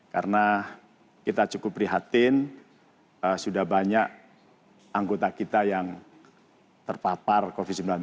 karena kita cukup prihatin sudah banyak anggota kita yang terpapar covid sembilan belas